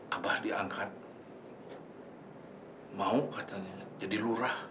abah diangkat mau katanya jadi lurah